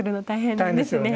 大変ですよね。